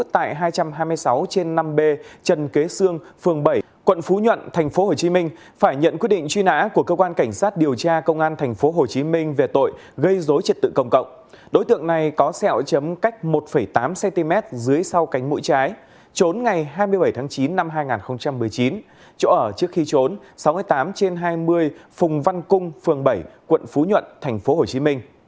sáu mươi tám trên hai mươi phùng văn cung phường bảy quận phú nhuận tp hcm